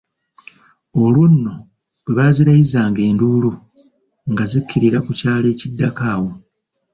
Olwo nno bwe baazirayizanga enduulu, nga zikkirira ku kyalo ekiddako awo.